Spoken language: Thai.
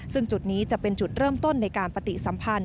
ซึ่งจุดนี้จะเป็นจุดเริ่มต้นในการปฏิสัมพันธ